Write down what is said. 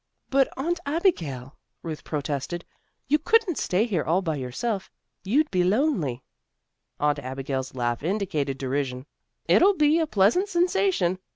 "But, Aunt Abigail," Ruth protested, "you couldn't stay here all by yourself. You'd be lonely." Aunt Abigail's laugh indicated derision. "It'll be a pleasant sensation.